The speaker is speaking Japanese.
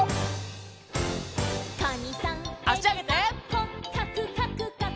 「こっかくかくかく」